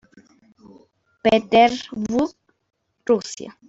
Petersburg, Rusia.